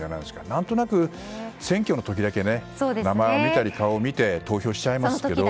何となく選挙の時だけ名前を見たり顔を見て投票しちゃいますけど。